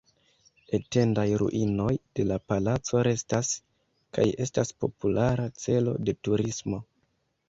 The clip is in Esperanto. Etendaj ruinoj de la palaco restas, kaj estas populara celo de turismo.